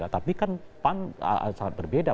tapi kan pan sangat berbeda